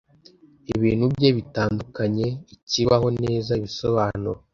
ibintu bye bitandukanye ikibaho neza ibisobanuro